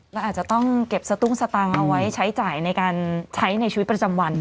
เราอาจจะต้องเก็บสตุ้งสตางค์เอาไว้ใช้จ่ายในการใช้ในชีวิตประจำวัน